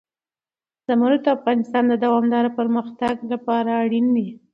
زمرد د افغانستان د دوامداره پرمختګ لپاره اړین دي.